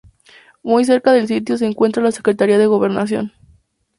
Muy cerca del sitio se encuentra la Secretaría de Gobernación.